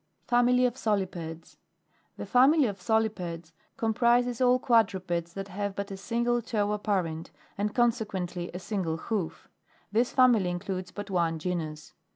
FAMILY OF SOLIPEDES. 12. The Family of Solipedes comprises all quadrupeds that have but a single toe apparent, and consequently a single hooC This family includes but one genus.